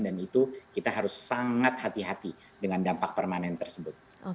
dan itu kita harus sangat hati hati dengan dampak permanen tersebut